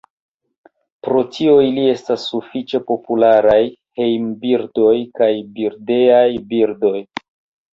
Pro tio ili estas sufiĉe popularaj hejmbirdoj kaj birdejaj birdoj.